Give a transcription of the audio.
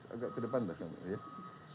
agak ke depan mbak claudia